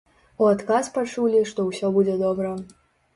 У адказ пачулі, што ўсё будзе добра.